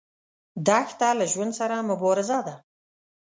دښته له ژوند سره مبارزه ده.